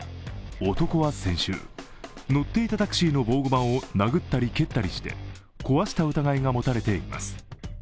男は先週、乗っていたタクシーの防護板を殴ったり蹴ったりして壊した疑いが持たれています。